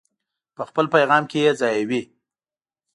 په خپل پیغام کې یې ځایوي.